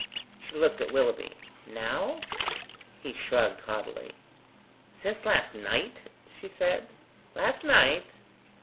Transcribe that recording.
She looked at Willoughby. "Now?" He shrugged haughtily. "Since last night?" she said. "Last night?"